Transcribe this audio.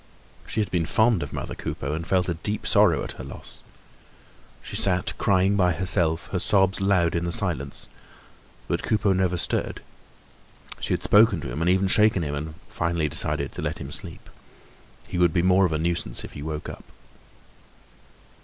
She had been fond of mother Coupeau and felt a deep sorrow at her loss. She sat, crying by herself, her sobs loud in the silence, but Coupeau never stirred. She had spoken to him and even shaken him and finally decided to let him sleep. He would be more of a nuisance if he woke up.